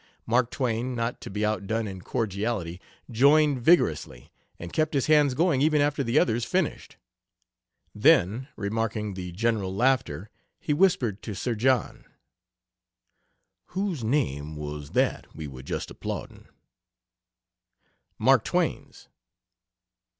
Mark Twain, not to be outdone in cordiality, joined vigorously, and kept his hands going even after the others finished. Then, remarking the general laughter, he whispered to Sir John: "Whose name was that we were just applauding?" "Mark Twain's."